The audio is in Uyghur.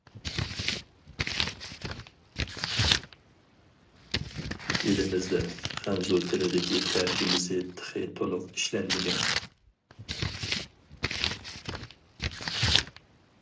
ئېلىمىزدە، خەنزۇ تىلىدىكى تەرجىمىسى تېخى تولۇق ئىشلەنمىگەن.